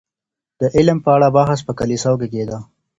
د علم په اړه بحث په کليساوو کي کيده.